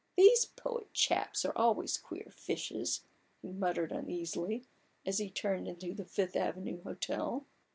"These poet chaps are always queer fishes," he muttered uneasily, as he turned into the Fifth Avenue Hotel.